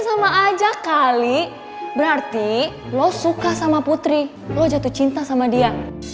sama aja kali berarti lo suka sama putri lo jatuh cinta sama dia